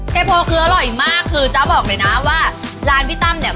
โพคืออร่อยมากคือจ๊ะบอกเลยนะว่าร้านพี่ตั้มเนี่ย